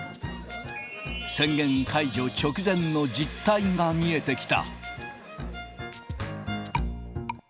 宣言解除直前の実態が見えてきた。